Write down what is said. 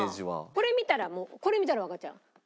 これ見たらもうこれ見たらわかっちゃう。